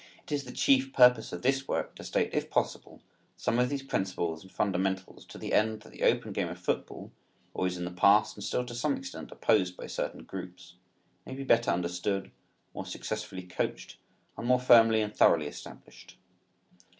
It is the chief purpose of this work to state if possible some of these principles and fundamentals to the end that the open game of football, always in the past and still to some extent opposed by certain groups, may be better understood, more successfully coached and more firmly and thoroughly established.